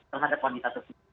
terhadap wanita tersebut